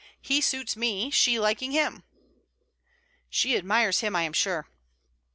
He suits me, she liking him.' 'She admires him, I am sure.'